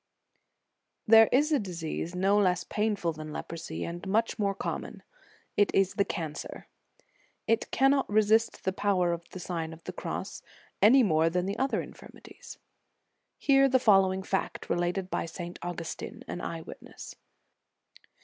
f There is a disease no less painful than leprosy, and much more common; it is the cancer. It cannot resist the power of the Sign of the Cross any more than other in firmities. Hear the following fact, related by St. Augustin, an eye witness.